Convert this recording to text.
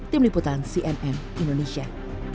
tim liputan cnn indonesia